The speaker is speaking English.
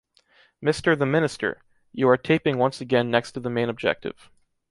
Mr. the Minister, you are taping once again next to the main objective.